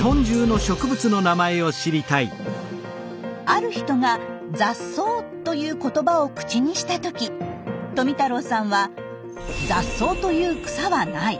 ある人が「雑草」という言葉を口にした時富太郎さんは「雑草という草はない！